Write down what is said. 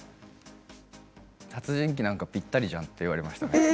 殺人鬼なんかぴったりじゃんって言われましたね。